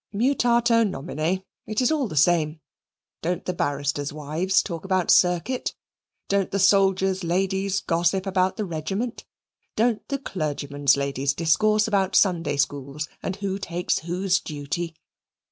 Mutato nomine, it is all the same. Don't the barristers' wives talk about Circuit? Don't the soldiers' ladies gossip about the Regiment? Don't the clergymen's ladies discourse about Sunday schools and who takes whose duty?